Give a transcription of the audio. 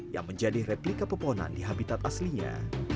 yang menjadi replika pepohonan di habitat aslinya